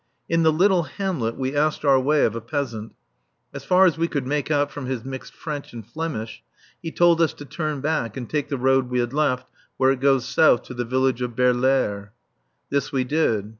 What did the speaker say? In the little hamlet we asked our way of a peasant. As far as we could make out from his mixed French and Flemish, he told us to turn back and take the road we had left where it goes south to the village of Baerlaere. This we did.